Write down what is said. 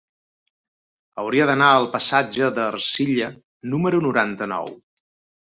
Hauria d'anar al passatge d'Ercilla número noranta-nou.